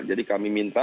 jadi kami minta